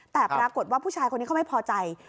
แต่ปรากฏว่าผู้ชายคนนี้เขาไม่พอใจ